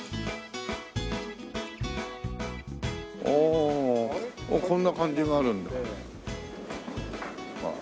おおこんな感じがあるんだ。